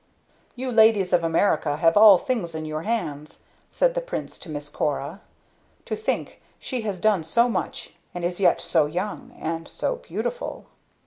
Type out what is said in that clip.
"Your ladies of America have all things in your hands," said the Prince to Miss Cora. "To think that she has done so much, and is yet so young and so beautiful!"